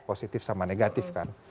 negatif sama negatif kan